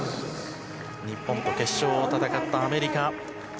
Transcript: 日本と決勝を戦ったアメリカ。